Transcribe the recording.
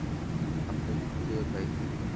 আপনি কে ভাই?